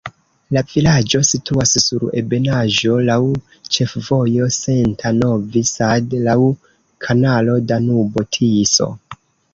La vilaĝo situas sur ebenaĵo, laŭ ĉefvojo Senta-Novi Sad, laŭ kanalo Danubo-Tiso.